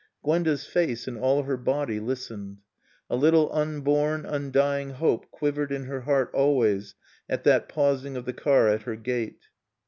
Gwenda's face and all her body listened. A little unborn, undying hope quivered in her heart always at that pausing of the car at her gate.